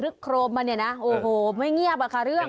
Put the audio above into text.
โครมมาเนี่ยนะโอ้โหไม่เงียบอะค่ะเรื่อง